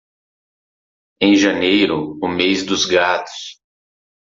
Em janeiro, o mês dos gatos.